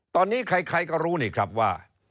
ตอนนี้ใครก็รู้นี่ครับว่า